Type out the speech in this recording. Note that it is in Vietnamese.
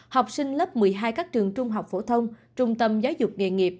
học sinh lớp một mươi hai các trường trung học phổ thông trung tâm giáo dục nghề nghiệp